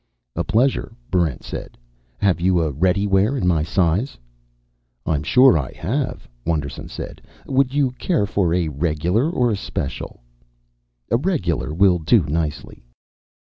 "A pleasure," Barrent said. "Have you a ready wear in my size?" "I'm sure I have," Wonderson said. "Would you care for a Regular or a Special?" "A Regular will do nicely."